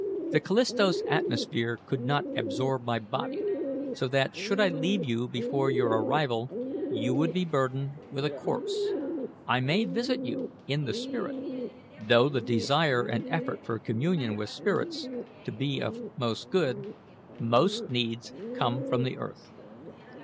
The Callisto's atmosphere could not absorb my body, so that, should I leave you before your arrival, you would be burdened with a corpse. I may visit you in the spirit, though the desire and effort for communion with spirits, to be of most good, must needs come from the earth.